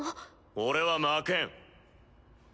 俺は負けん。